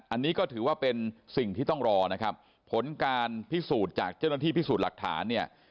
อันนี้ก็ถือว่าเป็นสิ่งที่ต้องรอนะครับผลการพิสูจน์จากเจ้าหน้าที่พิสูจน์หลักฐานเนี่ย